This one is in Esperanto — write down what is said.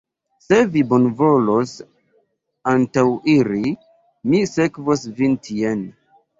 Se vi bonvolos antaŭiri, mi sekvos vin tien.